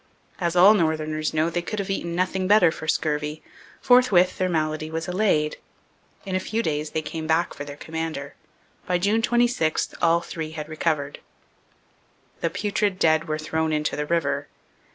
As all northerners know, they could have eaten nothing better for scurvy. Forthwith their malady was allayed. In a few days they came back for their commander. By June 26 all three had recovered. The putrid dead were thrown into the river.